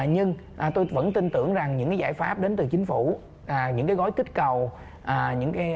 nhưng tôi vẫn tin tưởng rằng những giải pháp đến từ chính phủ những cái gói kích cầu